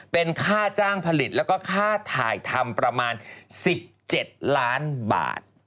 เป็นค่าจ้างผลิตแล้วก็ค่าถ่ายทำประมาณ๑๗ล้านบาท